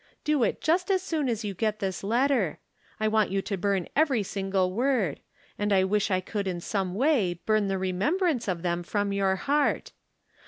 Do it just as soon as you get this letter. I want you to burn every single word ; and I wish I could in some way burn the remembrance of them from your heart.